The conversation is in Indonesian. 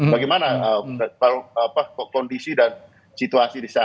bagaimana kondisi dan situasi di sana